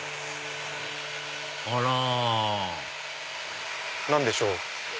あら何でしょう？